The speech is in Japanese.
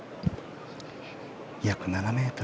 約７ｍ。